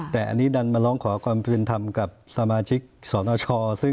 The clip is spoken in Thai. แต่อันนี้ดันมาร้องขอความเป็นธรรมกับสมาชิกสนช